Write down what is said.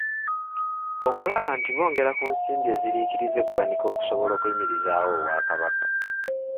Okulaba nti bongera ku nsimbi eziriikiriza eggwanika okusobola okuyimirizaawo Obwakabaka.